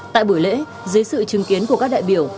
tại buổi lễ dưới sự chứng kiến của các đại biểu